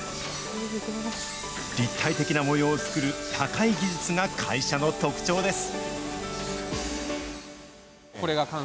立体的な模様を作る高い技術が会社の特徴です。